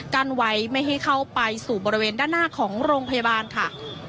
กั้นไว้ไม่ให้เข้าไปสู่บริเวณด้านหน้าของโรงพยาบาลค่ะ